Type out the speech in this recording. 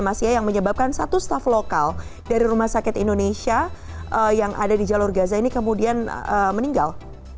mas ya yang menyebabkan satu staff lokal dari rumah sakit indonesia yang ada di jalur gaza ini kemudian meninggal